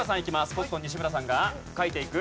コットン西村さんが書いていく。